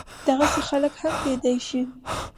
دغسې خلق هم کيدی شي